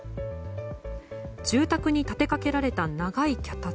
住宅に立てかけられた長い脚立。